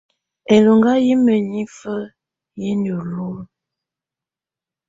Ɛlɔŋgá yɛ́ mǝ́nifǝ́ yɛ́ ndɔ́ lulǝ́.